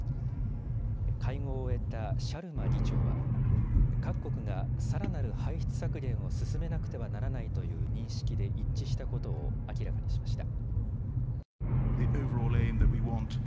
会合を終えたシャルマ議長は各国がさらなる排出削減を進めなくてはならないという認識で一致したことを明らかにしました。